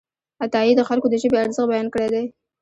عطايي د خلکو د ژبې ارزښت بیان کړی دی.